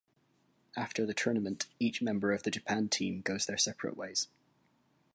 After the tournament, each member of the Japan Team goes their separate ways.